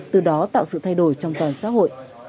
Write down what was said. từ đó tạo sự thay đổi trong toàn xã hội